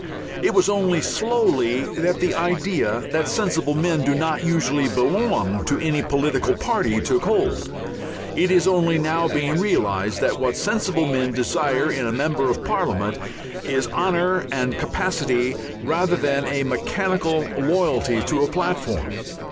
It was only slowly that the idea that sensible men do not usually belong to any political "party" took hold. It is only now being realized that what sensible men desire in a member of parliament is honour and capacity rather than a mechanical loyalty to a "platform."